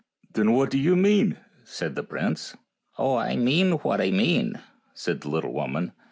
Then what do you mean? " said the prince. " Oh, I mean what I mean," said the little woman.